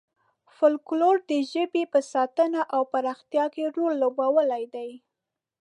فولکلور د ژبې په ساتنه او پراختیا کې رول لوبولی دی.